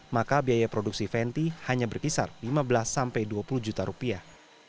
maka biaya produksi fenty hanya berkisar lima belas sampai dua puluh juta rupiah